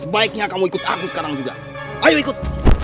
sebaiknya kamu ikut aku sekarang juga ayo ikut